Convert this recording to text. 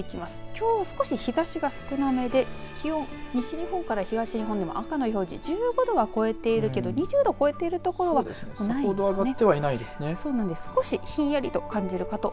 きょう少し、日ざしが少なめで気温、西日本から東日本でも赤の表示１５度は超えているけど２０度を超えている所はないですね。